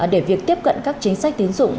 để việc tiếp cận các chính sách tiến dụng